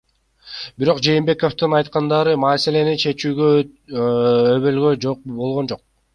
Бирок Жээнбековдун айткандары маселени чечүүгө өбөлгө болгон жок.